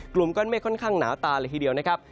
กลุ่มก้อนเมฆค่อนข้างหนาตาเลยทีเดียวนะครับ